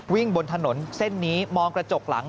บนถนนเส้นนี้มองกระจกหลัง